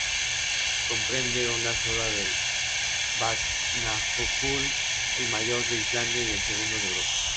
Comprende una zona del Vatnajökull, el mayor de Islandia y el segundo de Europa.